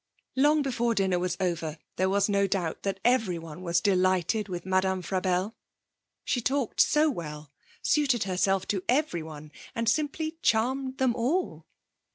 Long before dinner was over there was no doubt that everyone was delighted with Madame Frabelle. She talked so well, suited herself to everyone, and simply charmed them all.